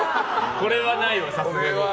これはないわ、さすがに。